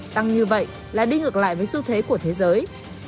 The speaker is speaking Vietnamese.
tăng như vậy là đi ngược lại với xu thế của thế giới